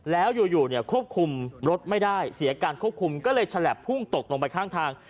แล้วอยู่เนี่ยควบคุมรถไม่ได้เสียการควบคุมก็เลยฉลับพุ่งตกลงไปข้างทาง